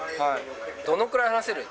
どのくらい話せる？